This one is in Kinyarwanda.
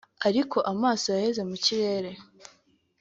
ariko amaso yaheze mu kirere”